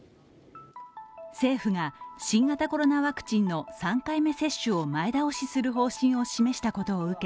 政府が新型コロナワクチンの３回目接種を前倒しする方針を示したことを受け